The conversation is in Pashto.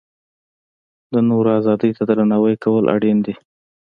د نورو ازادۍ ته درناوی کول اړین دي.